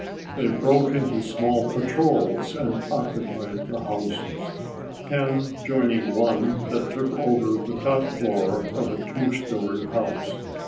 They broke into small patrols and occupied the houses, Ken joining one that took over the top floor of a 2 story house.